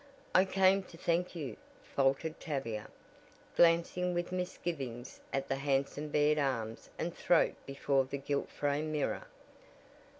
"I came to thank you," faltered Tavia, glancing with misgivings at the handsome bared arms and throat before the gilt framed mirror.